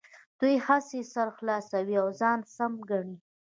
دوی هسې سر خلاصوي او ځان سم ګڼي.